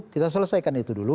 kita selesaikan itu dulu